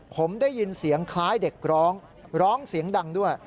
ผมได้ยินเสียงคล้ายเด็กร้องร้องเสียงดังด้วย